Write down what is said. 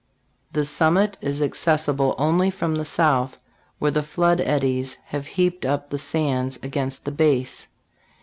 The sqmmit is accessible only from the south, where the flood eddies have heaped up the sands against the base.